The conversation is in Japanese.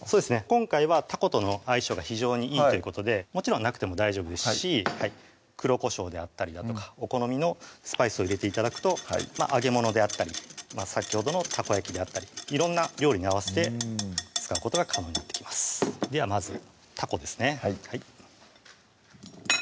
今回はたことの相性が非常にいいということでもちろんなくても大丈夫ですし黒こしょうであったりだとかお好みのスパイスを入れて頂くと揚げ物であったり先ほどのたこ焼きであったり色んな料理に合わせて使うことが可能になってきますではまずたこですね